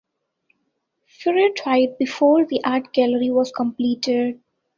Freer died before the art gallery was completed.